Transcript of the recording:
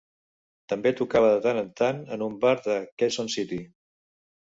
També tocava de tant en tant en un bar de Quezon City.